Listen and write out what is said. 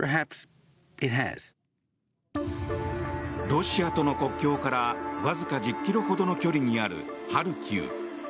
ロシアとの国境からわずか１０ｋｍほどの距離にあるハルキウ。